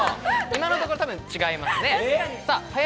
今のところ多分違いますね。